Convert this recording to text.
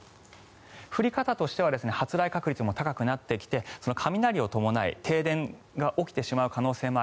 降り方としては発雷確率も高くなってきて雷を伴い停電が起きてしまう可能性も